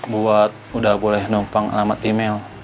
buat udah boleh numpang selamat email